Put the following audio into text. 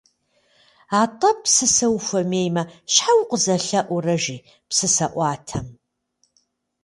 Атӏэ, псысэ ухуэмеймэ, щхьэ укъызэлъэӏурэ? - жи псысэӏуатэм.